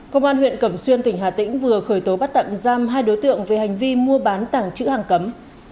công an huyện cẩm xuyên tỉnh hà tĩnh vừa khởi tố bắt tạm giam hai đối tượng về hành vi mua bán tảng chữ hàng cấm